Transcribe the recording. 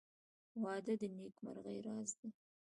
• واده د نېکمرغۍ راز دی.